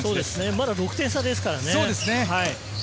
まだ６点差ですからね。